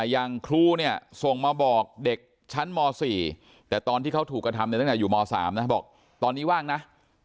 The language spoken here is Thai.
อย่างครูเนี่ยส่งมาบอกเด็กชั้นม๔แต่ตอนที่เขาถูกกระทำตั้งแต่อยู่ม๓นะบอกตอนนี้ว่างนะ